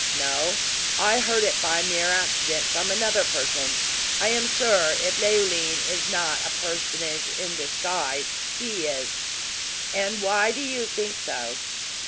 "No; I heard it by mere accident from another person. I am sure, if Leoline is not a personage in disguise, he is." "And why do you think so?"